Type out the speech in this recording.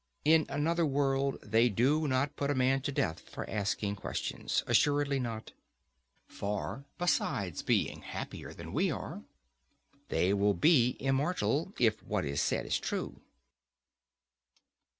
In another world they do not put a man to death for asking questions: assuredly not. For besides being happier than we are, they will be immortal, if what is said is true.